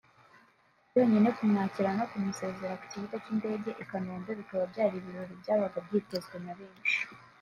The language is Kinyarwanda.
byonyine kumwakira no kumusezera ku kibuga cy’indege i Kanombe bikaba byari ibirori byabaga byitezwe na benshi